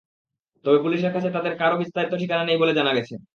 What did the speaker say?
তবে পুলিশের কাছে তাঁদের কারও বিস্তারিত ঠিকানা নেই বলে জানা গেছে।